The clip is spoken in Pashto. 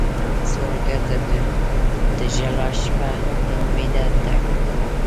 سوالګر ته د ژړا شپه له امید ډکه وي